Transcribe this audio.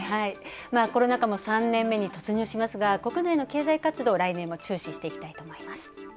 コロナ禍も３年目に突入しますが、国内の経済活動、来年は注視していきたいと思います。